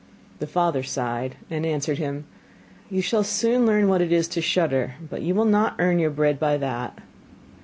The father sighed, and answered him: 'You shall soon learn what it is to shudder, but you will not earn your bread by that.